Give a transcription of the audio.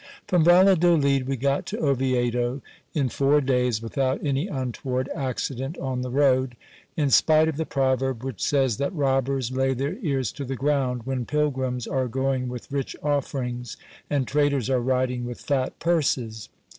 From Valladolid we got to Oviedo in four days, without any untoward accident on the road, in spite of the proverb, which says, that robbers lay their ears to the ground, when pilgrims are going with rich offerings, and traders are riding with fat purses.